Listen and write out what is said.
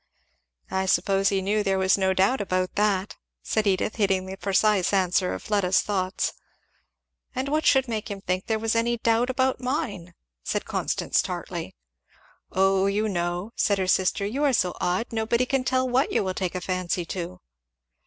"I suppose he knew there was no doubt about that." said Edith, hitting the precise answer of Fleda's thoughts. "And what should make him think there was any doubt about mine?" said Constance tartly. "O you know," said her sister, "you are so odd nobody can tell what you will take a fancy to."